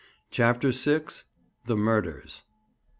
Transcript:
CHAPTER VI. THE MURDERS.